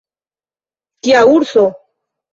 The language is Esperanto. Kia urso!